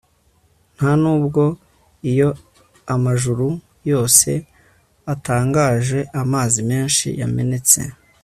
ntanubwo iyo amajuru yose atangaje amazi menshi yamenetse